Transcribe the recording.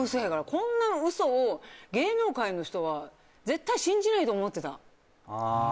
こんなうそを芸能界の人は絶対信じないと思ってた。